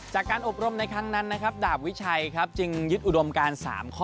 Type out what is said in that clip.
จากการอบรมในครั้งนั้นนะครับดาบวิชัยครับจึงยึดอุดมการ๓ข้อ